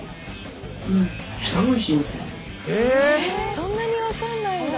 そんなに分かんないんだ。